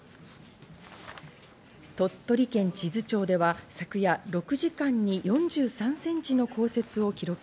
鳥取県智頭町では昨夜６時間に４３センチの降雪を記録。